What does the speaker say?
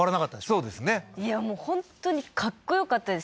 そうですねいやもう本当にかっこよかったです